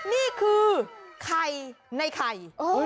นี่คือไข่ในไข่